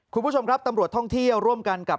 คุณผู้ชมครับตำรวจท่องเที่ยวร่วมกันกับ